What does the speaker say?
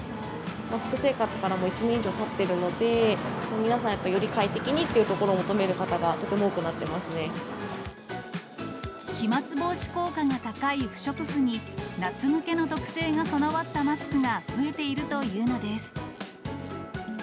マスク生活からもう１年以上たっているので、皆さん、やっぱりより快適にというところを求める方がとても多くなってま飛まつ防止効果が高い不織布に、夏向けの特性が備わったマスクが増えているというのです。